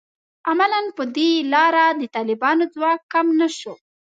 عملاً په دې لاره د طالبانو ځواک کم نه شو